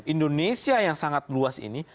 indonesia yang sangat luas ini